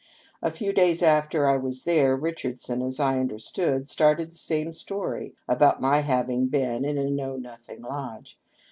A few days after I was there, Richardson, as I understood, started the same story about my having been in a Know Nothing lodge.